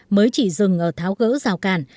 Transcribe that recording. mới chỉ dừng ở tháo gỡ rào càn